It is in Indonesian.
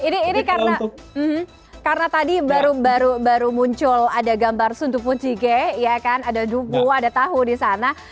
nah ini karena tadi baru baru muncul ada gambar sundubu jige ya kan ada dupu ada tahu di sana